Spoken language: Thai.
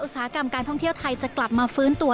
สาหกรรมการท่องเที่ยวไทยจะกลับมาฟื้นตัว